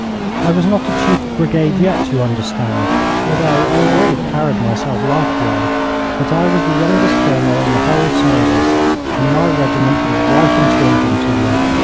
I was not a chief of brigade yet, you understand, although I already carried myself like one, but I was the youngest colonel in the whole service, and my regiment was wife and children to me.